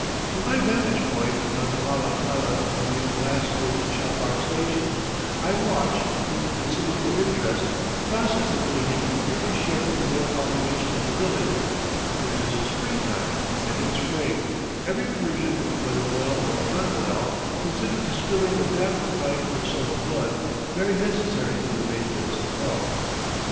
From my vantage point on the bala khana of the Lasgird chapar station, I watch, with considerable interest, the process of bleeding a goodly share of the male population of the village; for it is spring time, and in spring, every Persian, whether well or unwell, considers the spilling of half a pint or so of blood very necessary for the maintenance of health.